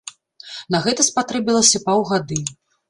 На гэта спатрэбілася паўгады.